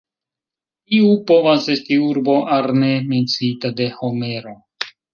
Tiu povas esti urbo "Arne", menciita de Homero.